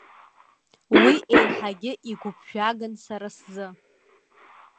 Уи еиҳагьы игәыԥжәаган сара сзы.